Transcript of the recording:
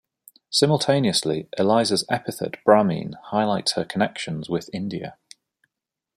Simultaneously, Eliza's epithet Bramine highlights her connections with India.